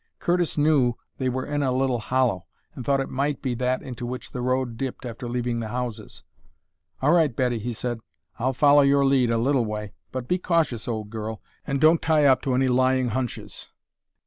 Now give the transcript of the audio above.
Curtis knew they were in a little hollow, and thought it might be that into which the road dipped after leaving the houses. "All right, Betty," he said. "I'll follow your lead a little way, but be cautious, old girl, and don't tie up to any lying hunches."